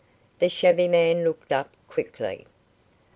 The shabby man looked up quickly.